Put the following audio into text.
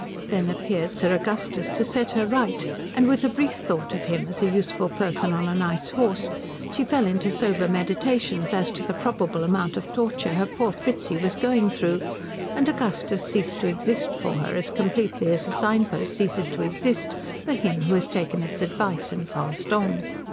Then appeared Sir Augustus to set her right, and with a brief thought of him as a useful person on a nice horse she fell into sober meditations as to the probable amount of torture her poor Fritzi was going through, and Augustus ceased to exist for her as completely as a sign post ceases to exist for him who has taken its advice and passed on.